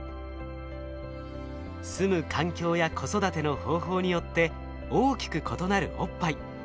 住む環境や子育ての方法によって大きく異なるおっぱい。